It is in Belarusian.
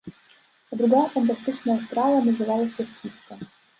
А другая фантастычная страва называлася скібка.